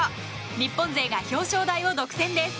日本勢が表彰台を独占です。